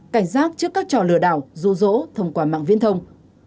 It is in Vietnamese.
cảnh giác trước các trò lừa đảo rô rỗ thông qua mạng viên thông